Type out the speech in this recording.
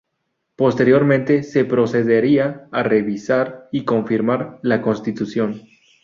Posteriormente se procedería a revisar y confirmar la Constitución.